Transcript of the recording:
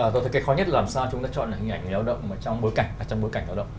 tôi thấy cái khó nhất là làm sao chúng ta chọn hình ảnh người lao động trong bối cảnh lao động